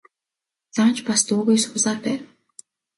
Лам ч бас дуугүй суусаар байв.